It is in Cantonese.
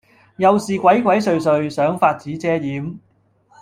又是鬼鬼祟祟，想法子遮掩，